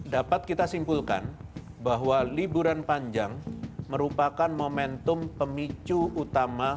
dapat kita simpulkan bahwa liburan panjang merupakan momentum pemicu utama